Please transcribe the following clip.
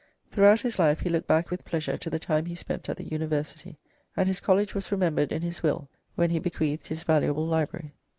Throughout his life he looked back with pleasure to the time he spent at the University, and his college was remembered in his will when he bequeathed his valuable library.